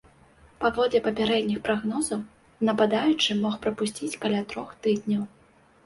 Паводле папярэдніх прагнозаў, нападаючы мог прапусціць каля трох тыдняў.